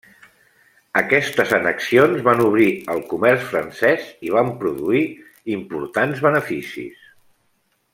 Aquestes annexions van obrir el comerç francès i van produir importants beneficis.